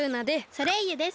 ソレイユです。